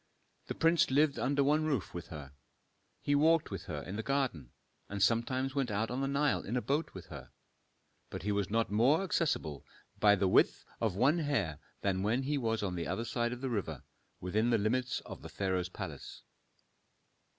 The prince lived under one roof with her, he walked with her in the garden, and sometimes went out on the Nile in a boat with her. But he was not more accessible by the width of one hair than when he was on the other side of the river, within the limits of the pharaoh's palace.